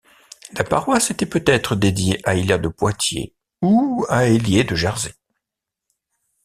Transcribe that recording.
La paroisse était peut-être dédiée à Hilaire de Poitiers ou à Hélier de Jersey.